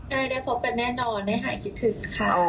ได้ได้พบเป็นแน่นอนได้หายคิดถึงค่ะ